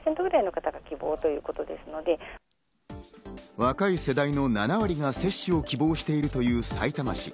若い世代の７割が接種を希望しているというさいたま市。